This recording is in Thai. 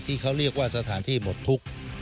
ที่เขาเรียกว่าสถานที่หมดทุกข์